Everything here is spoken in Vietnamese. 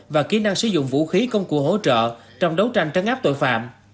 và kỹ năng sử dụng vũ khí công cụ hỗ trợ trong đấu tranh trấn áp tội phạm